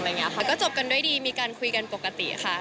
ก็จบกันด้วยดีมีการคุยกันปกติค่ะ